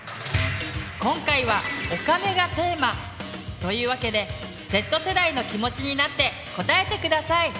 今回は「お金」がテーマというわけでＺ世代の気持ちになって答えて下さい。